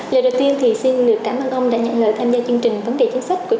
lời đầu tiên thì xin được cảm ơn